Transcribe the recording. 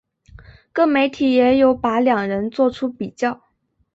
各媒体也有把两人作出比较。